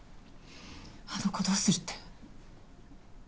あの子どうするって？